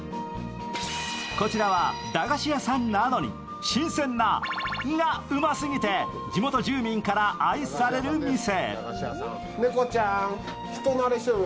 こちらは駄菓子屋さんなのに新鮮な○○がおいしすぎて、地元住民から愛される店。